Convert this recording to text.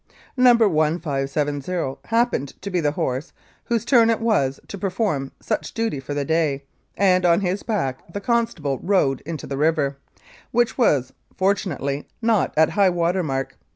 No. 1,570 happened to be the horse whose turn it was to perform such duty for the day, and, on his back, the constable rode into the river, which was, fortun ately, not at high water mark.